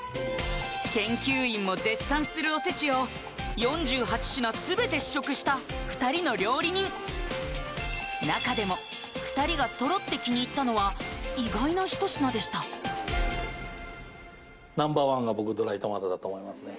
研究員も絶賛するおせちを４８品全て試食した２人の料理人中でも２人が揃って気に入ったのは意外な一品でしただと思いますね